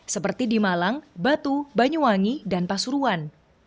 seperti di malang batu banyuwangi dan pasuruan